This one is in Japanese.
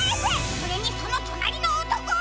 それにそのとなりのおとこは。